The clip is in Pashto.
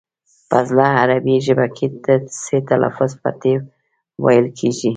په زړه عربي ژبه کې د ث لفظ په ت ویل کېږي